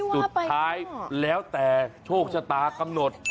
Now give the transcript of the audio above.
สุดท้ายแล้วแต่โชคชะตากำหนด